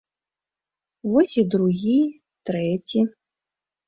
Вось і другі, трэці.